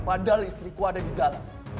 padahal istriku ada didalam